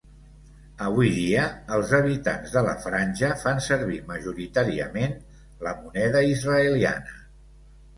Avui dia, els habitants de la Franja fan servir majoritàriament la moneda israeliana.